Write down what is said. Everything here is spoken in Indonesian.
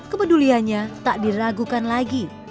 kepeduliannya tak diragukan lagi